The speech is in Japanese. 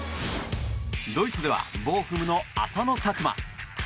ドイツではボーフムの浅野拓磨。